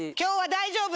大丈夫？